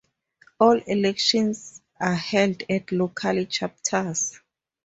All elections are held at local chapters.